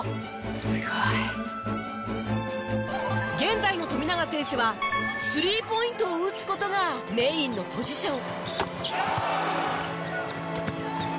「すごい」現在の富永選手はスリーポイントを打つ事がメインのポジション。